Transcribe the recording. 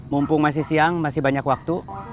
mumpung masih siang masih banyak waktu